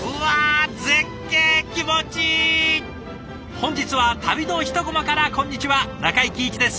本日は旅のひとコマからこんにちは中井貴一です。